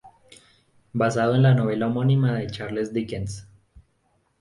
Basado en la novela homónima de Charles Dickens.